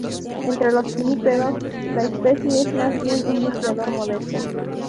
Entre los pinnípedos, la especie es más bien un buceador modesto.